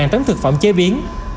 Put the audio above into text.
một tấn thực phẩm chế biến